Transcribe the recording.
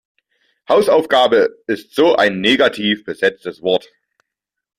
Hausaufgabe ist so ein negativ besetztes Wort.